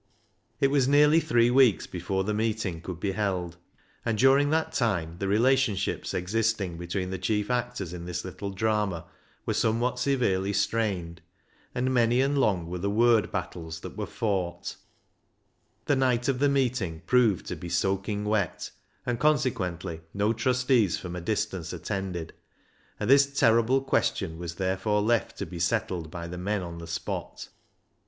It was nearly three weeks before the meeting could be held, and during that time the relation ships existing between the chief actors in this little drama were somewhat severely strained, and many and long were the word battles that were fought. THE HARMONIUM 351 The night of the meeting proved to be soaking wet, and consequently no trustees from a distance attended, and this terrible question was therefore left to be settled by the men on the spot.